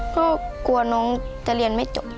ก็กลัวน้องจะเรียนไม่จบ